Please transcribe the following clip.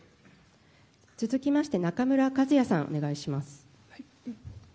続きまして、中村一也さんお願いします。